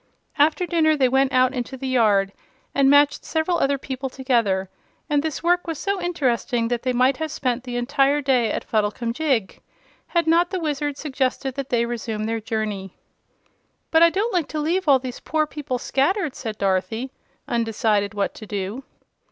After dinner they went out into the yard and matched several other people together, and this work was so interesting that they might have spent the entire day at Fuddlecumjig had not the Wizard suggested that they resume their journey. "But I don't like to leave all these poor people scattered," said Dorothy, undecided what to do.